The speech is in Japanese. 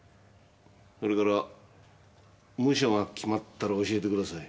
それから刑務所が決まったら教えてください。